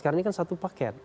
karena ini kan satu paket